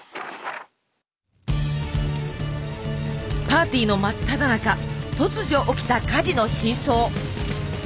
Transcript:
パーティーの真っただ中突如起きた火事の真相。